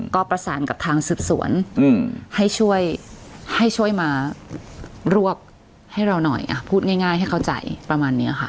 ก็ประสานกับทางสืบสวนให้ช่วยให้ช่วยมารวบให้เราหน่อยพูดง่ายให้เข้าใจประมาณนี้ค่ะ